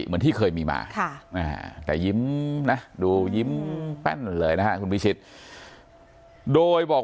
เหมือนที่เคยมีมาแต่ยิ้มนะดูยิ้มแป้นเลยนะฮะคุณพิชิตโดยบอก